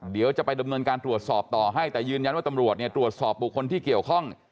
เดี๋ยวจะไปดำเนินการตรวจสอบต่อให้แต่ยืนยันว่าตำรวจเนี่ยตรวจสอบบุคคลที่เกี่ยวข้อง